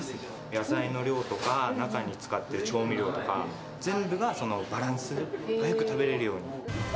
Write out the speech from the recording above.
野菜の量とか、中に使ってる調味料とか、全部がバランスよく食べられるように。